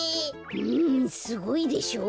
うんすごいでしょ？